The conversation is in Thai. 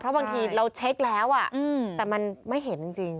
เพราะบางทีเราเช็คแล้วแต่มันไม่เห็นจริง